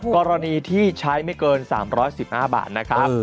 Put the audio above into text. กรณีที่ใช้ไม่เกิน๓๑๕บาทนะครับ